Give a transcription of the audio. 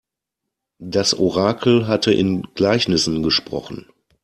Das Orakel hatte in Gleichnissen gesprochen.